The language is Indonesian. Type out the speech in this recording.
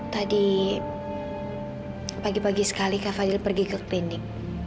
tadi pagi pagi sekali kak fadil pergi ke klinik